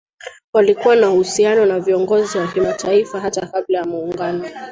Walikuwa na uhusiano na viongozi wa kimataifa hata kabla ya Muungano